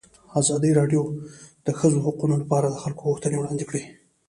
ازادي راډیو د د ښځو حقونه لپاره د خلکو غوښتنې وړاندې کړي.